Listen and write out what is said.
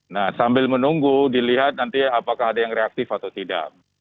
nah sambil menunggu dilihat nanti apakah ada yang reaktif atau tidak